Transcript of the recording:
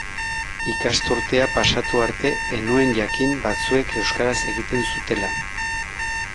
Ikasturtea pasatu arte ez nuen jakin batzuek euskaraz egiten zutela.